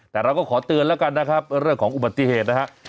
แต่เราก็ขอเตือนแล้วกันนะครับเรื่องของอุบัติเหตุนะฮะ